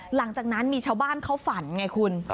หลังจากนั้นมีชาวบ้านเขาฝันไงคุณ